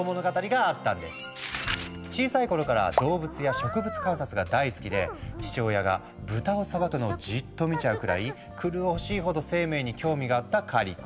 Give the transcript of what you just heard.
小さい頃から動物や植物観察が大好きで父親が豚をさばくのをじっと見ちゃうくらい狂おしいほど生命に興味があったカリコ。